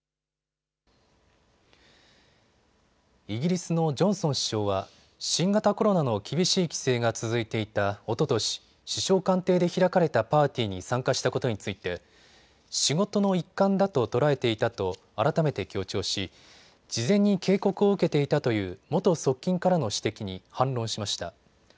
イギリスのジョンソン首相は新型コロナの厳しい規制が続いていたおととし、首相官邸で開かれたパーティーに参加したことについて仕事の一環だと捉えていたと改めて強調し事前に警告を受けていたという元側近からの指摘に反論しました。